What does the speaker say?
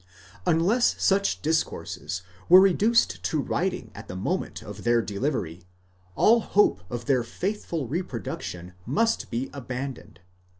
Unless such discourses were reduced to writing at the moment of their delivery, all hope of their faithful reproduction must be abandoned.